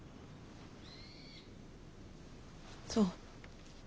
そう。